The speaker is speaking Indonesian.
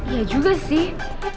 iya juga sih